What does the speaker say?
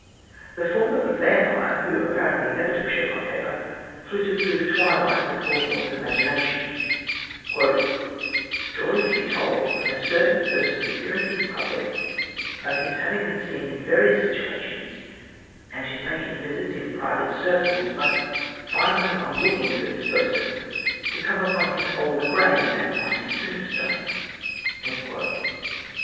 The form of a vampire, who apparently never took shape on paper, flitted through the twilight of Hawthorne's imagination: "Stories to be told of a certain person's appearance in public, of his having been seen in various situations, and his making visits in private circles; but finally on looking for this person, to come upon his old grave and mossy tombstone."